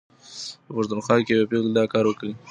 په پښتونخوا کې یوې پېغلې دا کار وکړ.